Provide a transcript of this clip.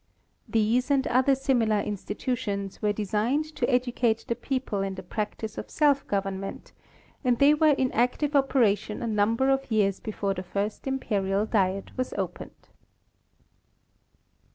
These and other similar institutions were designed to educate the people in the practice of self govern ment, and they were in active operation a number of years before the first imperial diet was opened.